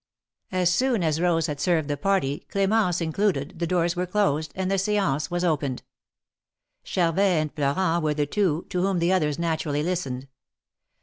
As soon as Bose had served the party, Cl^mence included, the doors were closed, and the stance was opened. Charvet and Florent were the two, to whom the others naturally listened.